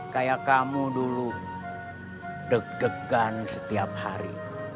kayak kamu dulu deg degan setiap hari